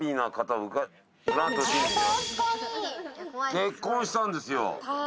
結婚したんですよああ